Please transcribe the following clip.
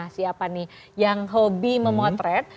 siapa nih yang hobi memotret